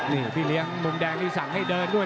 นี่พี่เลี้ยงมุมแดงนี่สั่งให้เดินด้วย